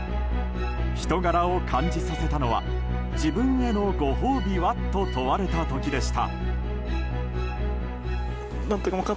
人柄を感じさせたのは自分へのご褒美は？と問われた時でした。